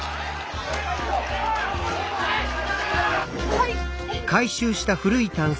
はい！